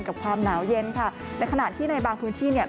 ความหนาวเย็นค่ะในขณะที่ในบางพื้นที่เนี่ย